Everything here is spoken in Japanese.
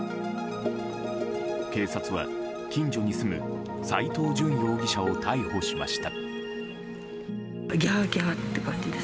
警察は近所に住む斎藤淳容疑者を逮捕しました。